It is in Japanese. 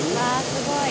すごい。